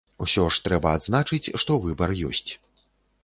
Усё ж трэба адзначыць, што выбар ёсць.